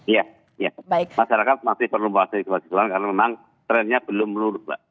iya masyarakat masih perlu waspadai gempa susulan karena memang trennya belum menurut